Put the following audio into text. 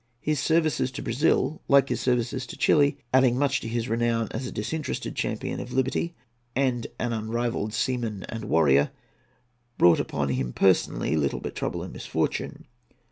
His services to Brazil, like his services to Chili, adding much to his renown as a disinterested champion of liberty and an unrivalled seaman and warrior, brought upon him personally little but trouble and misfortune.